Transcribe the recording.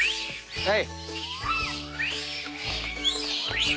はい。